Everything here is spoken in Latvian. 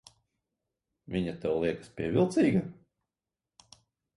Viņa tev liekas pievilcīga?